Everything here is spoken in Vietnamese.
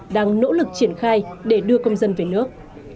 đang nỗ lực triển khai để đưa công dân về nước